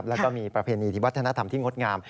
แล้วก็มีประเพณีที่วัฒนธรรมที่งดงาม